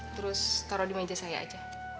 terus taruh di meja saya aja